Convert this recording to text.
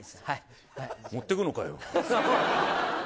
持ってくのかよ。